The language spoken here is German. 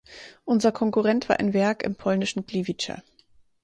Unser Konkurrent war ein Werk im polnischen Gliwice.